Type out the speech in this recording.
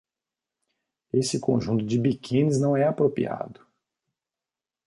Esse conjunto de biquínis não é apropriado